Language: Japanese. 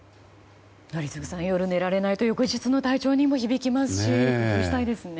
宜嗣さん、夜寝られないと翌日の体調にも響きますし工夫したいですね。